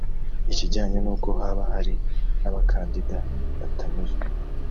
Ikijyanye n’uko haba hari n’abakandida batanyuzwe